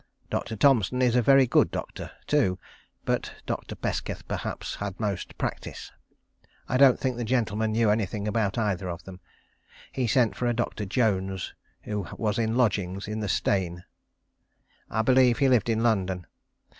Dr. Thompson is a very good doctor, too; but Dr. Pesketh, perhaps, had most practice. I don't think the gentleman knew anything about either of them. He sent for a Doctor Jones, who was in lodgings in the Steyne. I believe he lived in London.